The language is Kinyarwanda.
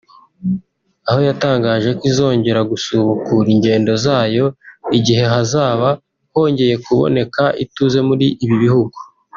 aho yatangaje ko izongera gusubukura ingendo zayo igihe hazaba hongeye kubonekera ituze muri ibi bihugu